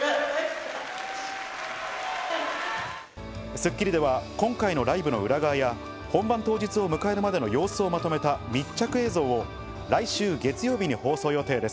『スッキリ』では今回のライブの裏側や、本番当日を迎えるまでの様子をまとめた密着映像を来週月曜日に放送予定です。